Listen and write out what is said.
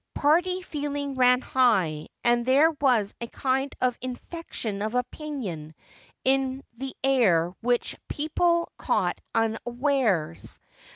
Party feeling ran high, and there was a kind of infection of opinion in the air which people caught unawares.